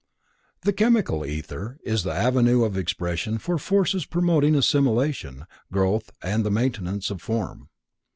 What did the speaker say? The Chemical Ether is the avenue of expression for forces promoting assimilation, growth and the maintenance of form.